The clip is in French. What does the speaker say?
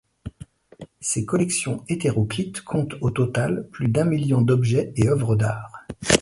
Ses collections hétéroclites comptent au total plus d'un million d'objets et œuvres d'art.